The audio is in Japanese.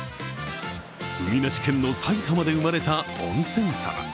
海なし県の埼玉で生まれた温泉さば。